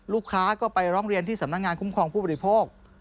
ลูกค้าก็ไปร้องเรียนที่สำนักงานคุ้มครองผู้บริโภค